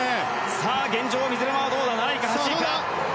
さあ現状、水沼はどうだ７位か８位か。